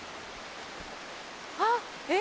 あっえっ？